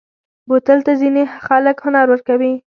بوتل ته ځینې خلک هنر ورکوي.